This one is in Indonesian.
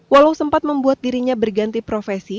walau sempat membuat dirinya berganti profesi